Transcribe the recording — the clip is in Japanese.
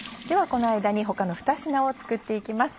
この間に他のふた品を作って行きます。